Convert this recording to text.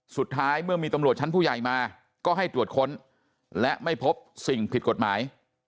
สุดท้ายเมื่อมีตำรวจชั้นผู้ใหญ่มาก็ให้ตรวจค้นและไม่พบสิ่งผิดกฎหมาย